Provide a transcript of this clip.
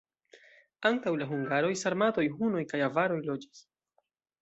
Antaŭ la hungaroj sarmatoj, hunoj kaj avaroj loĝis.